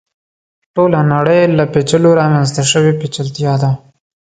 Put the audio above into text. ټوله نړۍ له پېچلو رامنځته شوې پېچلتیا ده.